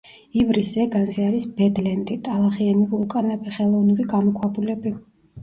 ივრის ზეგანზე არის ბედლენდები, ტალახიანი ვულკანები, ხელოვნური გამოქვაბულები.